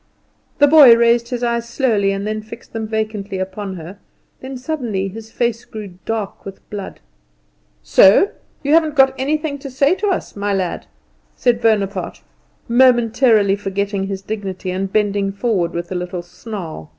The boy raised his eyes slowly and fixed them vacantly upon her, then suddenly his face grew dark with blood. "So, you haven't got anything to say to us, my lad?" said Bonaparte, momentarily forgetting his dignity, and bending forward with a little snarl.